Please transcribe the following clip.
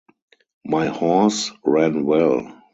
My horse ran well.